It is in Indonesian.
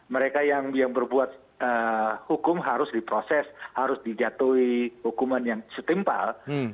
mereka yang berbuat hukum harus diproses harus dijatuhi hukuman yang setimpal